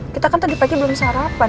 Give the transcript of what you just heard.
kita kan tadi pagi belum sarapan